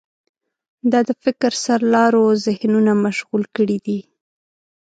دا د فکر سرلارو ذهنونه مشغول کړي دي.